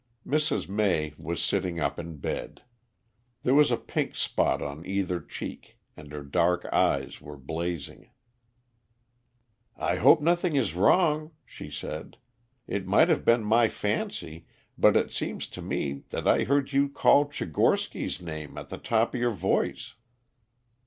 Mrs. May was sitting up in bed. There was a pink spot on either cheek and her dark eyes were blazing. "I hope nothing is wrong," she said. "It might have been my fancy, but it seemed to me that I heard you call Tchigorsky's name at the top of your voice."